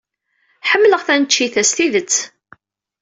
Ḥemmleɣ taneččit-a s tidet.